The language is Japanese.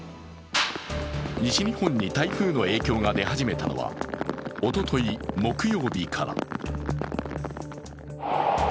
西日本に台風の影響が出始めたのはおととい木曜日から。